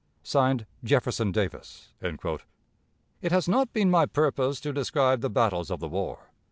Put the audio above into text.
(Signed) "Jefferson Davis." It has not been my purpose to describe the battles of the war.